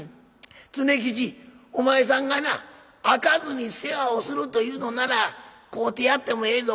常吉お前さんがな飽かずに世話をするというのなら飼うてやってもええぞ」。